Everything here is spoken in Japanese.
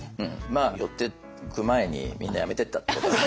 まあ寄ってく前にみんな辞めてったってことが。